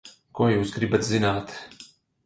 Ko jūs gribat zināt?